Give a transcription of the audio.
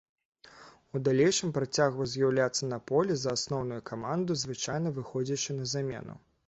У далейшым працягваў з'яўляцца на полі за асноўную каманду, звычайна выходзячы на замену.